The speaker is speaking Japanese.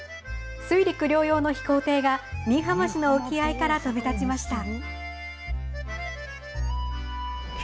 水陸両用の飛行艇が新居浜市の沖合から飛び立ちました。